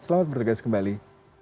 selamat bertugas kembali